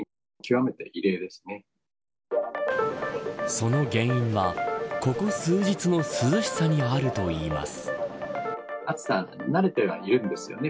その原因はここ数日の涼しさにあるといいます。